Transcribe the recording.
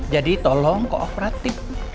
jadi tolong kooperatif